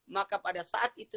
maka pada saat itu